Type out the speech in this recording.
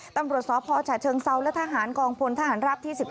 ตำรวจสพฉเชิงเซาและทหารกองพลทหารรับที่๑๒